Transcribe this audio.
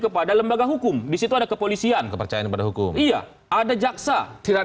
kepada lembaga hukum disitu ada kepolisian kepercayaan pada hukum iya ada jaksa tidak